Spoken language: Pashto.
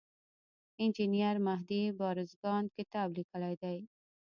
انجینیر مهدي بازرګان کتاب لیکلی دی.